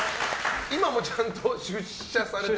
今もちゃんと出社されてる？